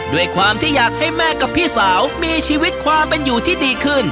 ด้วยความที่อยากให้แม่กับพี่สาวมีชีวิตความเป็นอยู่ที่ดีขึ้น